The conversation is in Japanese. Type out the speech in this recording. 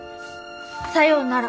さようなら。